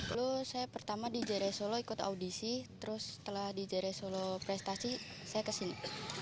lalu saya pertama di jaya raya solo ikut audisi terus setelah di jaya raya solo prestasi saya kesini